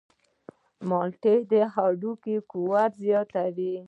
مالټې د هډوکو قوت زیاتوي.